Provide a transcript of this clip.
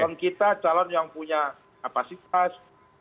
untuk yang punya kapasitas